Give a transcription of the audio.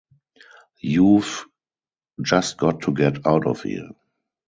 You've just got to get out of here!